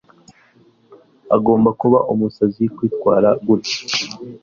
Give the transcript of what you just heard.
Agomba kuba umusazi kwitwara gutya